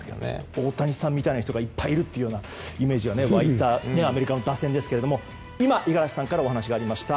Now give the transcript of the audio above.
大谷さんみたいな人がいっぱいいるというイメージがあるアメリカの打線ですが今、五十嵐さんからお話ありました